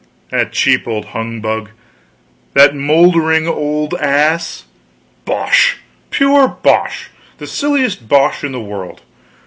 That cheap old humbug, that maundering old ass? Bosh, pure bosh, the silliest bosh in the world!